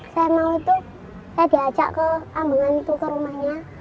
saya mau itu saya diajak ke amangantu ke rumahnya